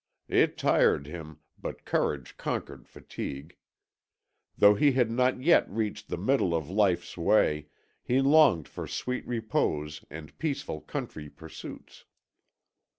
It tired him, but courage conquered fatigue. Though he had not yet reached the middle of Life's way, he longed for sweet repose and peaceful country pursuits.